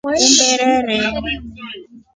Umberee.